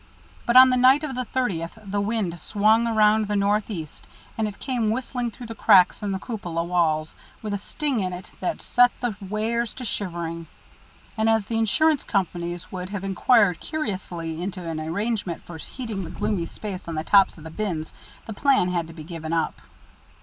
But on the night of the thirtieth the wind swung around to the northeast, and it came whistling through the cracks in the cupola walls with a sting in it that set the weighers to shivering. And as the insurance companies would have inquired curiously into any arrangement for heating that gloomy space on the tops of the bins, the plan had to be given up.